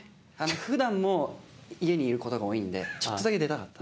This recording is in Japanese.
普段も家にいることが多いんでちょっとだけ出たかった。